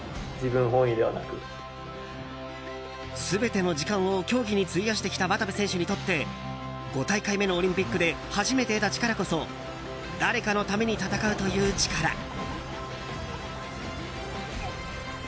全ての時間を競技に費やしてきた渡部選手にとって５大会目のオリンピックで初めて得た力こそ誰かのために戦うという力。